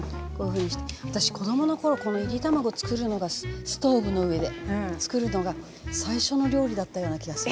私子どもの頃このいり卵作るのがストーブの上で作るのが最初の料理だったような気がする。